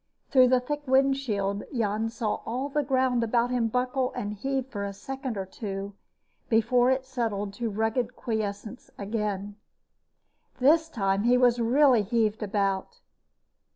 Through the thick windshield Jan saw all the ground about him buckle and heave for a second or two before it settled to rugged quiescence again. This time he was really heaved about.